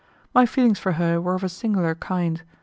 My feelings for her were of a singular kind.